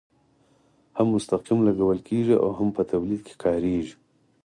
هم مستقیم لګول کیږي او هم په تولید کې کاریږي.